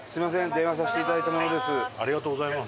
電話させていただいた者です。